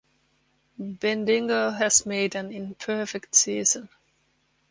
Bendigo has made an imperfect season.